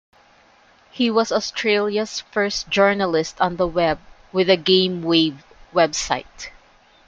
He was Australia's first journalist on the web with the GameWave website.